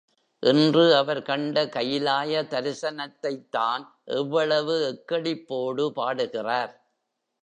என்று அவர் கண்ட கயிலாய தரிசனத்தைத்தான் எவ்வளவு எக்களிப்போடு பாடுகிறார்?